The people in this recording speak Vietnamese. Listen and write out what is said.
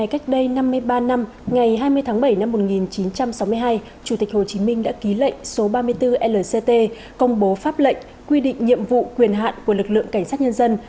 cách đây năm mươi ba năm ngày hai mươi tháng bảy năm một nghìn chín trăm sáu mươi hai chủ tịch hồ chí minh đã ký lệnh số ba mươi bốn lct công bố pháp lệnh quy định nhiệm vụ quyền hạn của lực lượng cảnh sát nhân dân